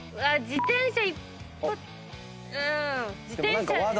自転車。